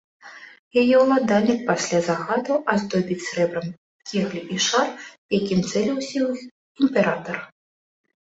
Яе ўладальнік пасля загадаў аздобіць срэбрам кеглі і шар, якім цэліўся ў іх імператар.